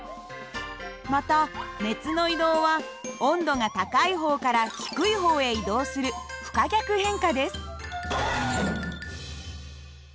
また熱の移動は温度が高い方から低い方へ移動する不可逆変化です。